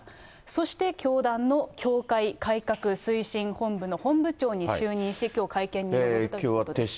そして教団の教会改革推進本部の本部長に就任し、きょう会見に臨むということです。